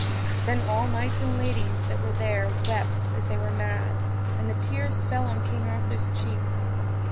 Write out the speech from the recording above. Then all knights and ladies that were there wept as they were mad, and the tears fell on King Arthur's cheeks.